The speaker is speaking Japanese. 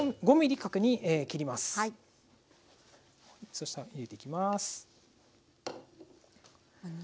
そしたら入れていきます。